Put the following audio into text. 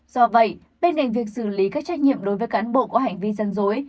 do vậy bên ngành việc xử lý các trách nhiệm đối với cán bộ có hành vi gián dối